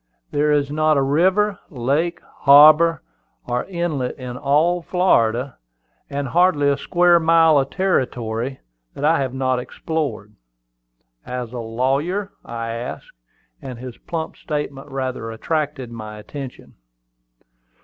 There is not a river, lake, harbor or inlet in all Florida, and hardly a square mile of territory, that I have not explored." "As a lawyer?" I asked; and his plump statement rather attracted my attention.